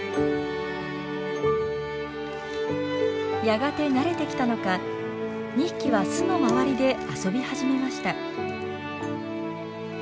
やがて慣れてきたのか２匹は巣のまわりで遊び始めました。